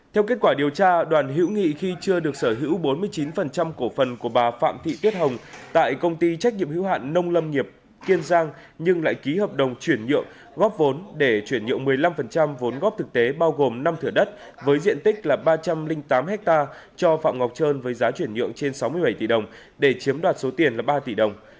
theo kết quả điều tra đoàn hiễu nghị khi chưa được sở hữu bốn mươi chín cổ phần của bà phạm thị tuyết hồng tại công ty trách nhiệm hữu hạn nông lâm nghiệp kiên giang nhưng lại ký hợp đồng chuyển nhượng góp vốn để chuyển nhượng một mươi năm vốn góp thực tế bao gồm năm thửa đất với diện tích là ba trăm linh tám ha cho phạm ngọc trơn với giá chuyển nhượng trên sáu mươi bảy tỷ đồng để chiếm đoạt số tiền là ba tỷ đồng